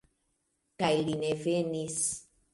Kaj li ne venis!